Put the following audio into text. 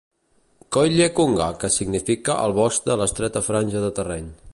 "Coille Cunga" que significa "el bosc de l'estreta franja de terreny".